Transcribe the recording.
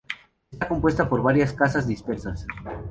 Está compuesta por varias casas dispersas.